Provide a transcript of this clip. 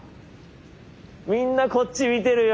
みんなこっち見てるよ。